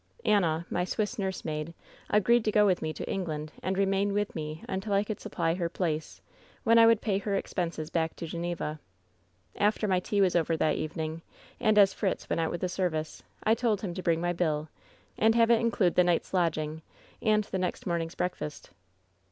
"Anna, my Swiss nursemaid, agreed to go with me to England and remain with me until I could supply her place, when I would pay her expenses back to Geneva, "After my tea was over that evening, and as Fritz went out with the service, I told him to bring my bill, and have it include the night's lodging and the next morning's breakfast.